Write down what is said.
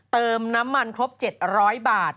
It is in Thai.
เติมน้ำมันครบ๗๐๐บาท